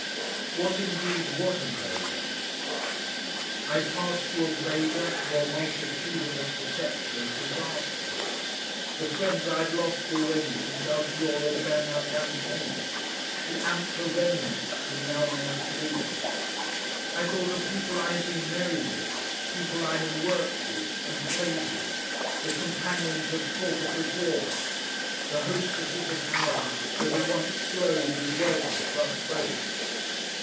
What indeed wasn't over? I passed to a vaguer, more multitudinous perception of disaster, the friends I had lost already since Altiora began her campaign, the ampler remnant whom now I must lose. I thought of people I had been merry with, people I had worked with and played with, the companions of talkative walks, the hostesses of houses that had once glowed with welcome for us both.